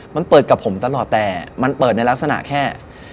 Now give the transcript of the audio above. มันเปิดกับผมตลอดแต่มันเปิดในลักษณะแค่